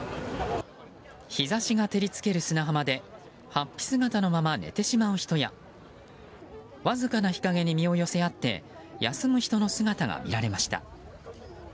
日差しが照り付ける砂浜で法被姿のまま寝てしまう人やわずかな日陰に身を寄せ合って休む人の姿が見られました。